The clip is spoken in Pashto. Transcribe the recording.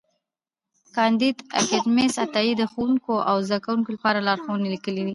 کانديد اکاډميسن عطایي د ښوونکو او زدهکوونکو لپاره لارښوونې لیکلې دي.